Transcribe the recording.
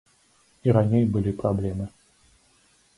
І раней былі праблемы.